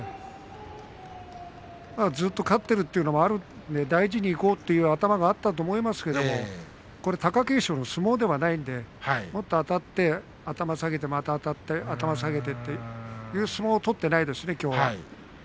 ずっと勝っているというのもあるので大事にいこうという頭があったと思いますけどこれ貴景勝の相撲ではないのでもっとあたって頭を下げてあたってそういう相撲を取っていないですね、きょうは。